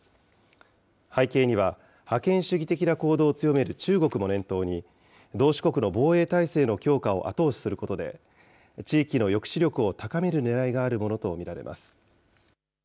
背景には、覇権主義的な行動を強める中国も念頭に、同志国の防衛体制の強化を後押しすることで、地域の抑止力を高めるねらいがあるものと見られます。